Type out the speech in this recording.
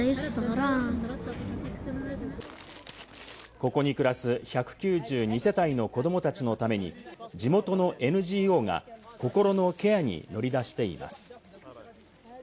ここに暮らす１９２世帯の子どもたちのために地元のＮＧＯが心のケアに乗り出しています。